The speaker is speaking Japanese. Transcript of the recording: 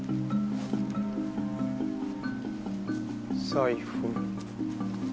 財布。